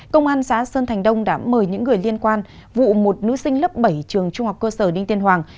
công an xã sơn thành đông đã mời những người liên quan vụ một nữ sinh lớp bảy trường trung học cơ sở đinh tiên hoàng